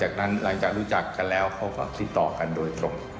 จากนั้นหลังจากรู้จักกันแล้วเขาก็ติดต่อกันโดยตรง